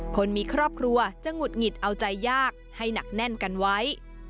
คนมีครอบครัวจะหงุดหงิดเอาใจยากให้หนักแน่นกันไว้